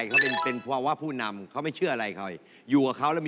คนที่สองเลยก็คือนั้นใช่ไหมนั้น